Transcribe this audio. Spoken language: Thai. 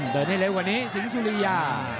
เดินให้เร็วกว่านี้สิงสุริยา